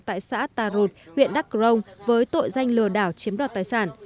tại xã tà rụt huyện đắk rông với tội danh lừa đảo chiếm đoạt tài sản